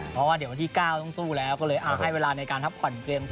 เพราะว่าเดี๋ยววันที่๙ต้องสู้แล้วก็เลยให้เวลาในการพักผ่อนเตรียมตัว